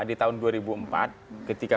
di tahun dua ribu empat ketika